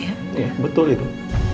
iya betul itu